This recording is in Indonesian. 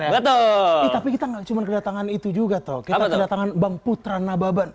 ya betul tapi kita enggak cuman kedatangan itu juga tol kita kedatangan bang putra nababan